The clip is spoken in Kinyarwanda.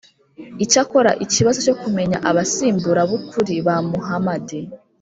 icyakora ikibazo cyo kumenya abasimbura b’ukuri ba muhamadi